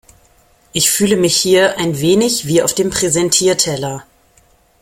Ich fühle mich hier ein wenig wie auf dem Präsentierteller.